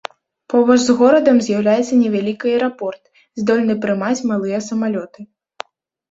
Побач з горадам з'яўляецца невялікі аэрапорт, здольны прымаць малыя самалёты.